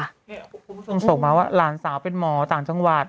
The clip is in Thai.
คุณผู้ชมส่งมาว่าหลานสาวเป็นหมอต่างจังหวัด